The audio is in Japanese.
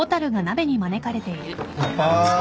乾杯。